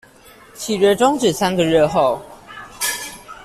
契約終止三個月後